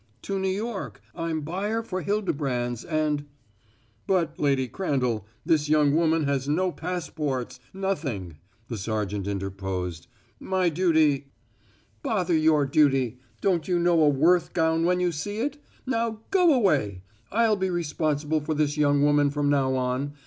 "To New York. I'm buyer for Hildebrand's, and " "But, Lady Crandall, this young woman has no passports nothing," the sergeant interposed. "My duty " "Bother your duty! Don't you know a Worth gown when you see it? Now go away! I'll be responsible for this young woman from now on.